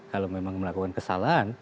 kalau memang melakukan kesalahan